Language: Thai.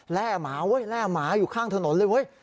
หมาเว้ยแร่หมาอยู่ข้างถนนเลยเว้ย